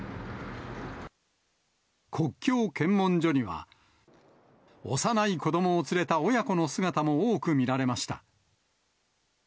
国境検問所には、幼い子どもを連れた親子の姿も多く見られました。